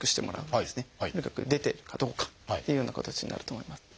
とにかく出てるかどうかっていうような形になると思います。